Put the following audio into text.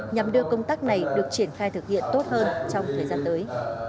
nhằm đưa công tác này được triển khai thực hiện tốt hơn trong thời gian tới